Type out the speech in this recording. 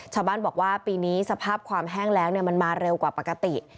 ชาวบ้านบอกว่าปีนี้สภาพความแห้งแล้วมันมาเร็วกว่าปกติ